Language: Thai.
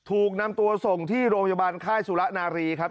ถูกนำตัวส่งที่โรงพยาบาลค่ายสุระนารีครับ